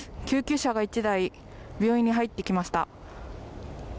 救急車が１台病院に入ってきました。